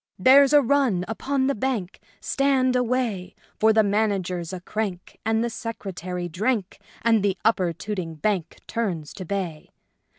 " There's a run upon the Bank — Stand away ! For the Manager's a crank and the Secretary drank, and the Upper Tooting Bank Turns to bay